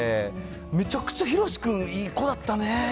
めちゃくちゃヒロシ君、いい子だったね。